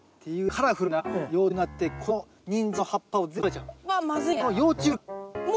カラフルな幼虫になってこのニンジンの葉っぱを全部食べちゃう。